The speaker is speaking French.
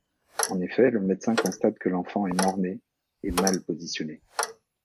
En effet, le médecin constate que l'enfant est mort-née et mal positionnée.